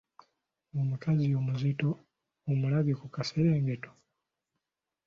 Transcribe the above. Omukazi omuzito omulabye ku kaserengeto?